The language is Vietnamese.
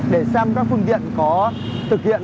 để xem các phương tiện có thực hiện